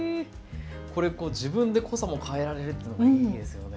これ自分で濃さも変えられるっていうのがいいですよね。